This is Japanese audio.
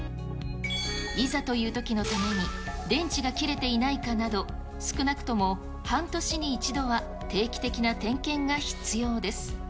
いざというときのために、電池が切れていないかなど、少なくとも半年に一度は定期的な点検が必要です。